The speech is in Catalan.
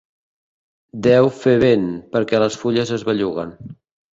Deu fer vent, perquè les fulles es belluguen.